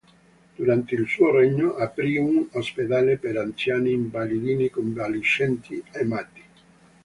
Durante il suo regno aprì un ospedale per anziani, invalidi, convalescenti e matti.